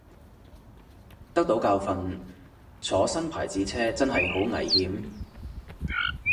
得到教訓，坐新牌子車真係好危險